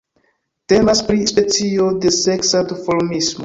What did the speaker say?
Temas pri specio de seksa duformismo.